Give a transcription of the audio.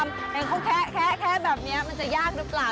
แต่เขาแคะแคะแคะแบบนี้มันจะยากหรือเปล่า